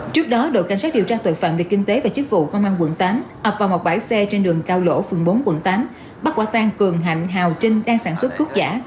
trước đó đội cảnh sát điều tra tội phạm về kinh tế và chức vụ công an quận tám ập vào một bãi xe trên đường cao lỗ phường bốn quận tám bắt quả tang cường hạnh hào trinh đang sản xuất thuốc giả